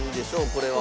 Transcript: これは。